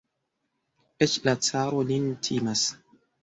Eĉ la caro lin timas.